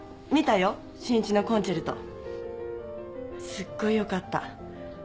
すっごいよかった。